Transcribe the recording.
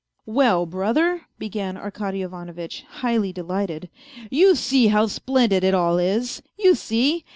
" Well, brother," began Arkady Ivanovitch, highly delighted, '' you see how splendid it all is ; you see.